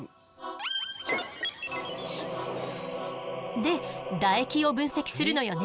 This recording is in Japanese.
で唾液を分析するのよね。